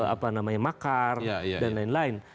apa namanya makar dan lain lain